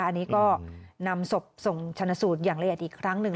อันนี้ก็นำศพส่งชนะสูตรอย่างละเอียดอีกครั้งหนึ่ง